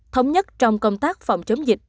thống nhất trong công tác phòng chống dịch